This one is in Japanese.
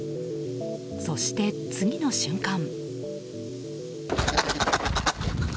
そして次の瞬間。